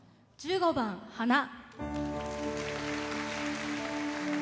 １５番「花」。